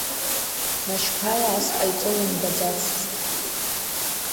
Машьқәала ас ҟаиҵо лымбаӡацызт.